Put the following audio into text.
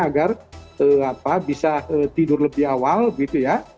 agar bisa tidur lebih awal gitu ya